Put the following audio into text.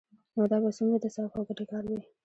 نو دا به څومره د ثواب او ګټې کار وي؟